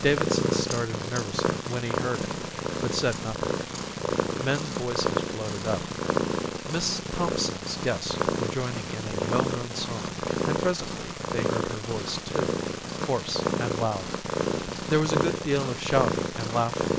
Davidson started nervously when he heard it, but said nothing. Men's voices floated up. Miss Thompson's guests were joining in a well known song and presently they heard her voice too, hoarse and loud. There was a good deal of shouting and laughing.